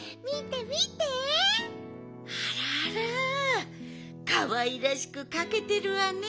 あらあらかわいらしくかけてるわね。